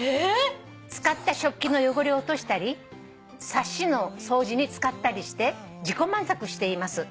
「使った食器の汚れを落としたりサッシの掃除に使ったりして自己満足しています」